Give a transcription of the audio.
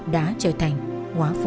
đã trở thành hóa phụ